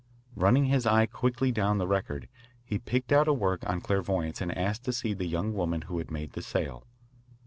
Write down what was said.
Running his eye quickly down the record, he picked out a work on clairvoyance and asked to see the young woman who had made the sale.